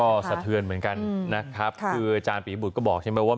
ก็สะเทือนเหมือนกันนะครับคืออาจารย์ปียบุตรก็บอกใช่ไหมว่า